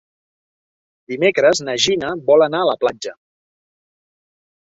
Dimecres na Gina vol anar a la platja.